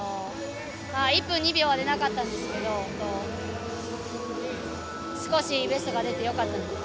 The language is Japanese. １分２秒は出なかったんですけど少しベストが出てよかったです。